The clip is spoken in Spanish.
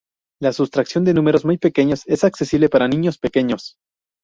La sustracción de números muy pequeños es accesible para los niños pequeños.